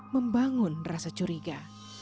membangun rasa curiga